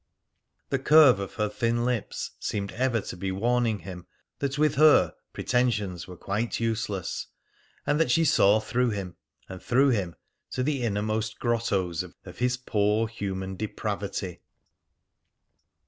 The curve of her thin lips seemed ever to be warning him that with her pretensions were quite useless, and that she saw through him, and through him to the innermost grottoes of his poor human depravity.